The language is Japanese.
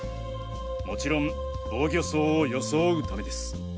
もちろん防御創を装うためです。